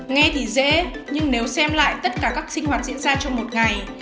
nghe thì dễ nhưng nếu xem lại tất cả các sinh hoạt diễn ra trong một ngày